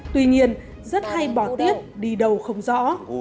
tuy nhiên rất hay bỏ tiếc đi đầu không rõ